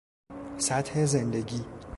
سطح زندگی